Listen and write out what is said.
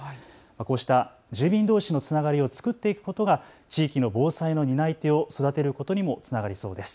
こうした住民どうしのつながりを作っていくことが地域の防災の担い手を育てることにもつながりそうです。